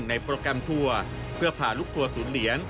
โปรแกรมทัวร์เพื่อพาลูกทัวร์ศูนย์เหรียญ